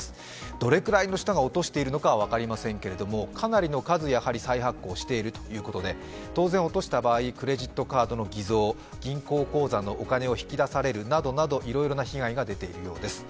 どれくらいの人が落としているのか分かりませんけれども、かなりの数、再発行しているということで、当然落とした場合、クレジットカードの偽造、銀行口座のお金を引き出されるなどなどいろいろな被害が出ているようです。